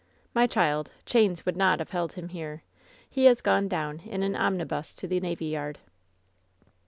"My child, chains would not have held him here. He has gone down in an omnibus to the navy yard."